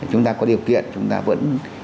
chúng ta có điều kiện chúng ta vẫn